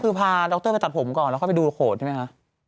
คือพาดรไปตัดผมก่อนแล้วค่อยไปดูโขดใช่ไหมคะ